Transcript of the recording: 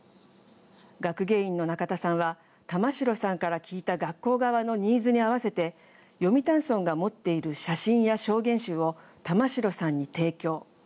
学芸員の中田さんは玉城さんから聞いた学校側のニーズに合わせて読谷村が持っている写真や証言集を玉城さんに提供。